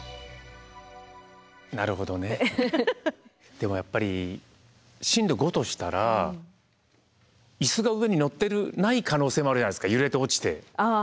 でもやっぱり震度５としたら椅子が上に載ってない可能性もあるじゃないですか揺れて落ちて。